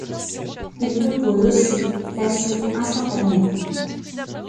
Il compose aussi la soupe instantanée.